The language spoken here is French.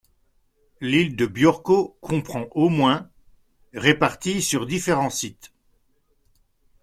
L'île de Björkö comprend au moins réparties sur différents sites.